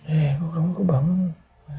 eh aku kagak bangun